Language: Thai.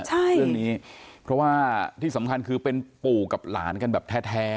ใช่ค่ะเรื่องนี้เพราะว่าที่สำคัญคือเป็นปู่กับหลานกันแบบแท้